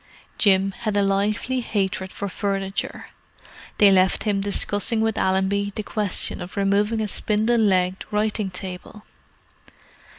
Jim had a lively hatred for furniture; they left him discussing with Allenby the question of removing a spindle legged writing table.